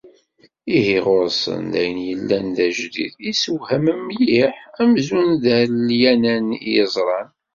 Iihi ɣur-sen d ayen yellan d ajdid, yessewhamen mliḥ, amzun d alyanen i ẓran.